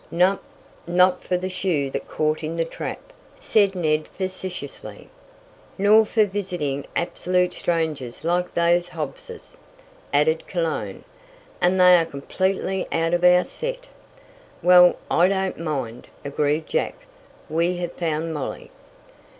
"Nope. Not for the shoe that caught in the trap," said Ned facetiously. "Nor for visiting absolute strangers like those Hobbses," added Cologne, "and they are completely out of our set." "Well, I don't mind," agreed Jack. "We have found Molly."